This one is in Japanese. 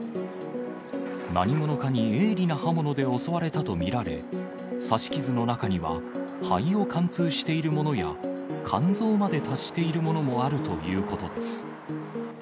何者かに鋭利な刃物で襲われたと見られ、刺し傷の中には、肺を貫通しているものや、肝臓まで達しているものもあるということです。